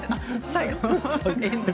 最後？